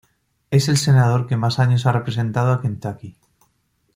Es el senador que más años ha representado a Kentucky.